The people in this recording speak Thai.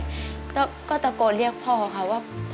แล้วก็ตะโกนเรียกพ่อค่ะว่า